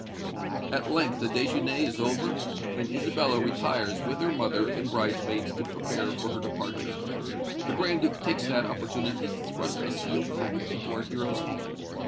At length the déjeuner is over; and Isabella retires with her mother and bridemaids to prepare for her departure. The Grand Duke takes that opportunity to thrust a sealed packet into our hero's hand.